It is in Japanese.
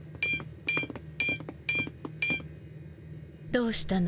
どうしたの？